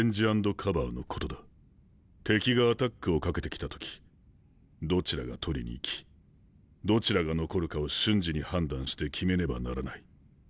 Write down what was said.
敵がアタックをかけてきた時どちらが取りに行きどちらが残るかを瞬時に判断して決めねばならない。